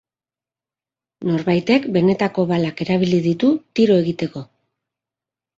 Norbaitek benetako balak erabili ditu tiro egiteko.